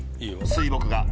水墨画。